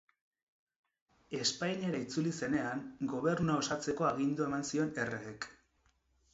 Espainiara itzuli zenean, gobernua osatzeko agindua eman zion erregek.